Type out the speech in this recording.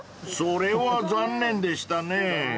［それは残念でしたね］